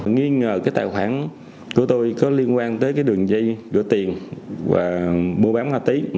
nghi ngờ cái tài khoản của tôi có liên quan tới cái đường dây rửa tiền và bố bám hoa tí